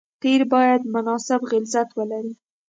قیر باید مناسب غلظت ولري